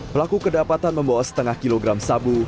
pelaku kedapatan membawa setengah kilogram sabu